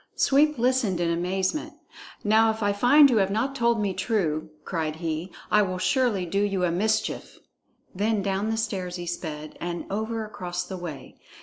Sweep listened in amazement. "Now if I find you have not told me true," cried he, "I will surely do you a mischief!" Then down the stairs he sped, and over across the way.